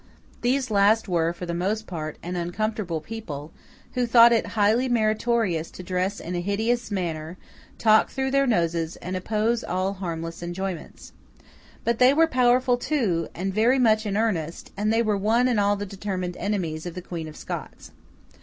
These last were for the most part an uncomfortable people, who thought it highly meritorious to dress in a hideous manner, talk through their noses, and oppose all harmless enjoyments. But they were powerful too, and very much in earnest, and they were one and all the determined enemies of the Queen of Scots.